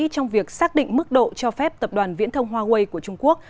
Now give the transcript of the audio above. trong việc xác định mức độ cho phép tập đoàn viễn thông huawei của trung quốc